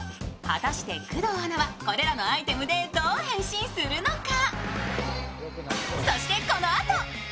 果たして、工藤アナはこれらのアイテムでどう変身するのか。